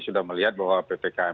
sudah melihat bahwa ppkm